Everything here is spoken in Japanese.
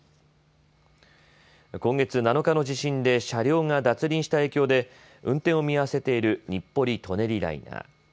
今月７日の地震で車両が脱輪した影響で運転を見合わせている日暮里・舎人ライナー。